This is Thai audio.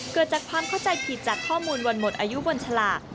เกิดจากความเข้าใจผิดจากข้อมูลวันหมดอายุบนฉลาก